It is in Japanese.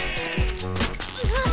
あっ。